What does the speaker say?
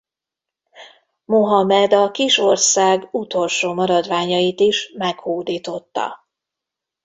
Mohamed a kis ország utolsó maradványait is meghódította.